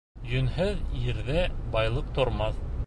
Йүнһеҙ ирҙә байлыҡ тормаҫ.